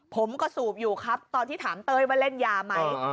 ผมก็สูบอยู่ครับตอนที่ถามเต้ยว่าเล่นยาไหม